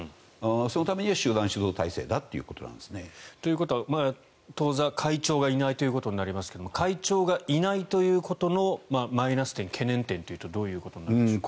そのためには集団指導体制だっていうことなんですね。ということは当座、会長がいないということになりますが会長がいないということのマイナス点、懸念点というとどういうことになるんでしょう。